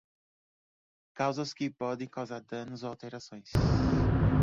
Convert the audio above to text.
Causas que podem causar danos ou alterações.